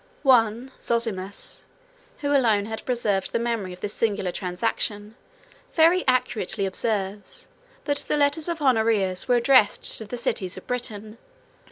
179 I. Zosimus, who alone has preserved the memory of this singular transaction, very accurately observes, that the letters of Honorius were addressed to the cities of Britain.